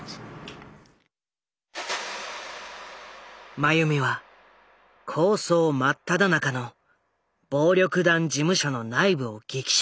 眞弓は抗争真っただ中の暴力団事務所の内部を激写。